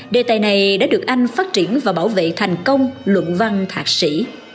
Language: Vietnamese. đề tài này đã được anh phát triển và bảo vệ thành công luận văn thạc sĩ